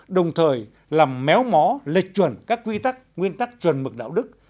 đồng thời làm méo mó lệch chuẩn các quy tắc nguyên tắc chuẩn mực đạo đức